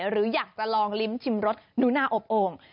หรืออยากจะลองลิ้มชิมรสหนูนาอบโอ่ง